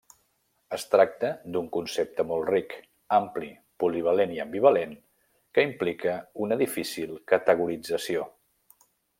Es tracta d'un concepte molt ric, ampli, polivalent i ambivalent que implica una difícil categorització.